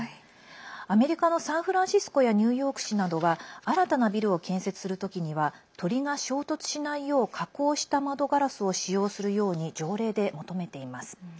アメリカのサンフランシスコやニューヨーク市などは新たなビルを建設する時には鳥が衝突しないよう加工した窓ガラスを使用するように条例で求めています。